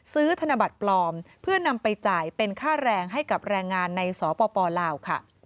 ธนบัตรปลอมเพื่อนำไปจ่ายเป็นค่าแรงให้กับแรงงานในสปลาวค่ะ